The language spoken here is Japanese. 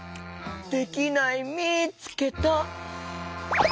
できないみつけた。